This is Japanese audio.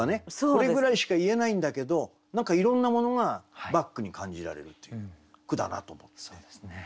これぐらいしか言えないんだけど何かいろんなものがバックに感じられるっていう句だなと思うんですね。